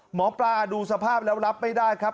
หมอปลาดูสภาพแล้วรับไม่ได้ครับ